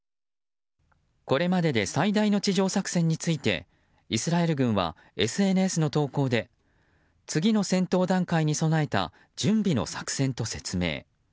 これまでで最大の地上作戦についてイスラエル軍はＳＮＳの投稿で次の戦闘段階に備えた準備の作戦と説明。